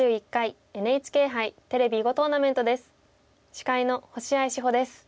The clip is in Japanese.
司会の星合志保です。